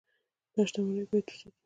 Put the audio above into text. دا شتمني باید وساتو.